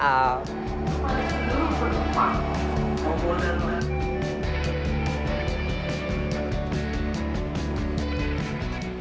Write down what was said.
kepala segera berlumpang komponen